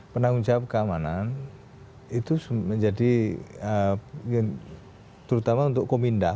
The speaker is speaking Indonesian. penanggung jawab keamanan itu menjadi terutama untuk kominda